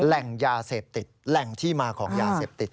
แหล่งยาเสพติดแหล่งที่มาของยาเสพติด